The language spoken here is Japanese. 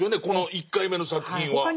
この１回目の作品は。